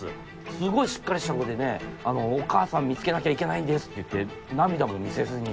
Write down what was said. すごいしっかりした子でねお母さん見つけなきゃいけないんですって言って涙も見せずに。